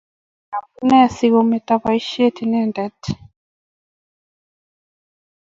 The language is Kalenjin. angen amunee sigometo boishet inendet